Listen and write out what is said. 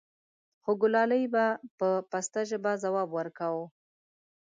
خوګلالۍ به په پسته ژبه ځواب وركا و :